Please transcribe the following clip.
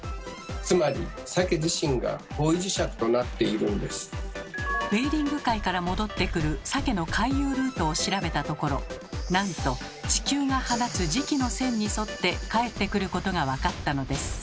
つまりベーリング海から戻ってくるサケの回遊ルートを調べたところなんと地球が放つ磁気の線に沿って帰ってくることが分かったのです。